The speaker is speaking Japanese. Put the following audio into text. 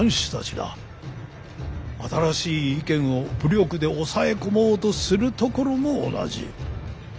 新しい意見を武力で抑え込もうとするところも同じ。